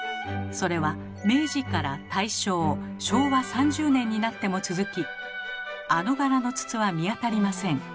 それは明治から大正昭和３０年になっても続きあの柄の筒は見当たりません。